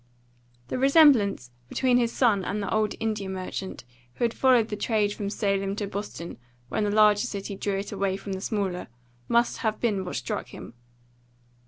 The resemblance between his son and the old India merchant, who had followed the trade from Salem to Boston when the larger city drew it away from the smaller, must have been what struck him.